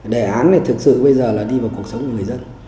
đề án thực sự bây giờ đi vào cuộc sống của người dân